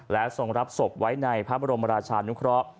และทรงรับศพไว้ในพระบรมราชานุเคราะห์